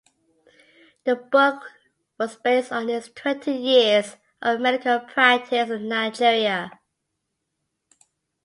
The book was based on his twenty years of medical practice in Nigeria.